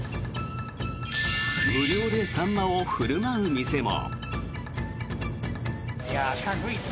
無料でサンマを振る舞う店も。